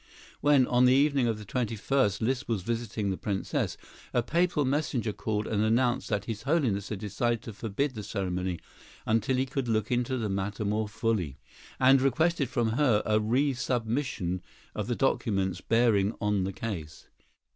When, on the evening of the 21st, Liszt was visiting the Princess, a Papal messenger called and announced that His Holiness had decided to forbid the ceremony until he could look into the matter more fully, and requested from her a resubmission of the documents bearing on the case.